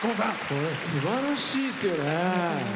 これ、すばらしいですよね。